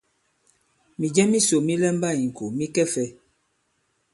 Mìjɛ misò mi lɛmba ì-ŋkò mi kɛ fɛ̄?